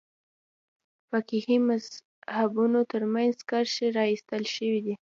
فقهي مذهبونو تر منځ کرښې راایستل شوې دي.